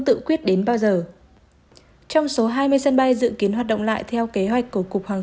tự quyết đến bao giờ trong số hai mươi sân bay dự kiến hoạt động lại theo kế hoạch của cục hàng